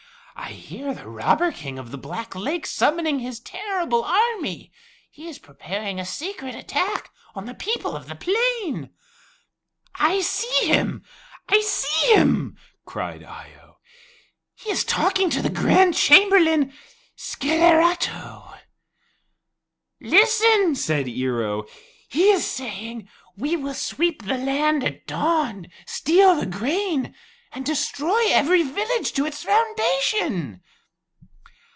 I hear the Robber King of the Black Lakes summoning his terrible army. He is preparing a secret attack on the people of the plain." "I see him! I see him!" cried Eye o. "He is talking to the Grand Chamberlain Scelerato." "Listen," said Ear o; "he is saying, 'We will sweep the land at dawn, steal the grain, and destroy every village to its foundation.'"